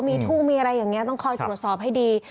มีทุ่งมีอะไรอย่างนี้ต้องคอยตรวจสอบให้ดี